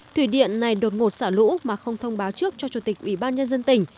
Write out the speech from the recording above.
thủy điện này đột ngột xả lũ mà không thông báo trước cho chủ tịch ủy ban nhân dân tỉnh